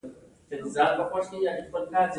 تر څو چې د پانګوالي نظام موجود وي